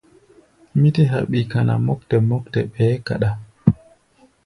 Mí tɛ́ haɓi kana mɔ́ktɛ mɔ́ktɛ, ɓɛɛ́ kaɗá.